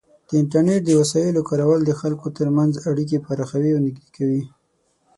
د انټرنیټ د وسایلو کارول د خلکو ترمنځ اړیکې پراخوي او نږدې کوي.